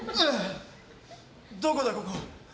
どこだ、ここ？